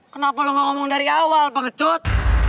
kenapa lo ngomong dari awal pengecut